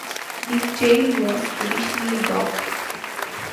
The tail was traditionally docked.